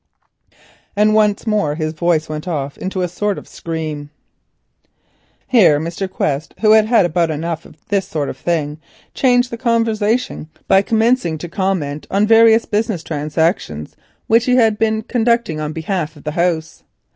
And once more his voice went off into a sort of scream. Here Mr. Quest, who had enjoyed about enough of this kind of thing, changed the conversation by beginning to comment on various business transactions which he had been conducting on behalf of the house.